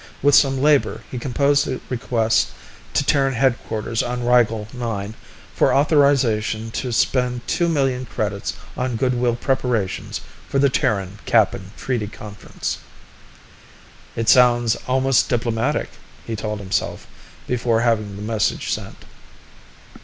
With some labor, he composed a request to Terran headquarters on Rigel IX for authorization to spend two million credits on good will preparations for the Terran Kappan treaty conference. It almost sounds diplomatic, he told himself before having the message sent.